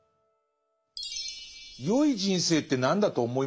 「よい人生って何だと思います？」